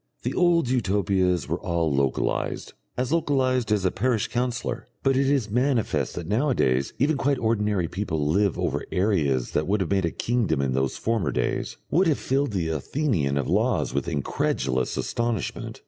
The old Utopias were all localised, as localised as a parish councillor; but it is manifest that nowadays even quite ordinary people live over areas that would have made a kingdom in those former days, would have filled the Athenian of the Laws with incredulous astonishment.